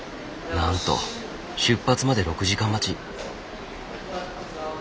なんと出発まで６時間待ち。